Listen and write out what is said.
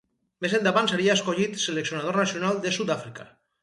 Més endavant seria escollit seleccionador nacional de Sud-àfrica.